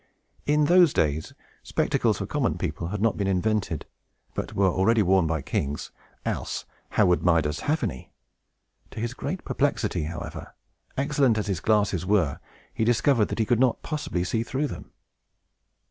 In those days, spectacles for common people had not been invented, but were already worn by kings; else, how could Midas have had any? To his great perplexity, however, excellent as the glasses were, he discovered that he could not possibly see through them.